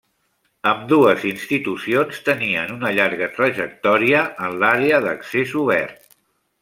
Ambdues institucions tenien una llarga trajectòria en l'àrea d'accés obert.